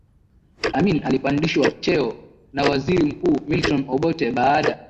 Amin alipandishwa cheo na waziri mkuu Milton Obote baada